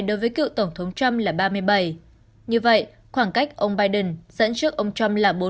đối với cựu tổng thống trump là ba mươi bảy như vậy khoảng cách ông biden dẫn trước ông trump là bốn